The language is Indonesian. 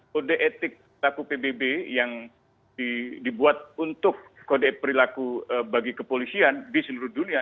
kode etik pelaku pbb yang dibuat untuk kode perilaku bagi kepolisian di seluruh dunia